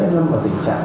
lâm vào tình trạng